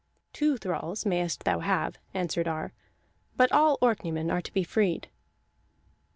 "Two thralls mayest thou have," answered Ar, "but all Orkneymen are to be freed."